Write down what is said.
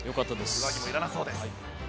上着もいらなそうです。